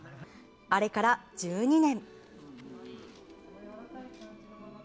あれから１２年。